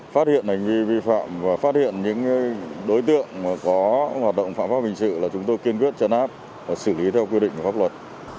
phát hiện hành vi vi phạm và phát hiện những đối tượng có hoạt động phạm pháp hình sự là chúng tôi kiên quyết chấn áp và xử lý theo quy định của pháp luật